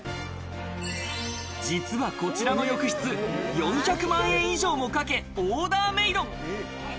実はこちらの浴室、４００万円以上もかけ、オーダーメード。